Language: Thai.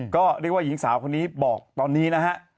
ก็เรียกว่าหญิงสาวคนนี้บอกตอนนี้นะฮะ